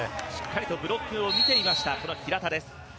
しっかりとブロックを見ていました平田です。